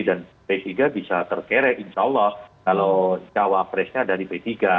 dan p tiga bisa terkerek insya allah kalau jawab presnya ada di p tiga